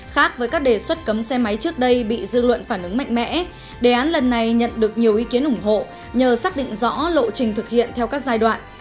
khác với các đề xuất cấm xe máy trước đây bị dư luận phản ứng mạnh mẽ đề án lần này nhận được nhiều ý kiến ủng hộ nhờ xác định rõ lộ trình thực hiện theo các giai đoạn